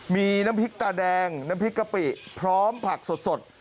มีน้ำพริกตาแดงน้ำพริกกะปิพร้อมผักสด